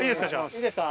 いいですか？